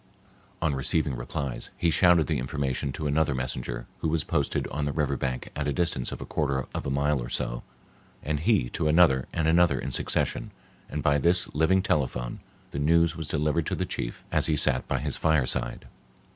On receiving replies, he shouted the information to another messenger, who was posted on the river bank at a distance of a quarter of a mile or so, and he to another and another in succession, and by this living telephone the news was delivered to the chief as he sat by his fireside.